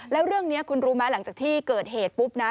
แล้วเรื่องนี้คุณรู้ไหมหลังจากที่เกิดเหตุปุ๊บนะ